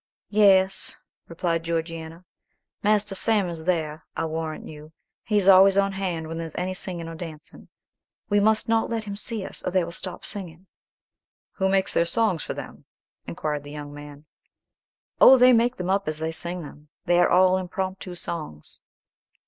"Yes," replied Georgiana; "master Sam is there, I'll warrant you: he's always on hand when there's any singing or dancing. We must not let them see us, or they will stop singing." "Who makes their songs for them?" inquired the young man. "Oh, they make them up as they sing them; they are all impromptu songs."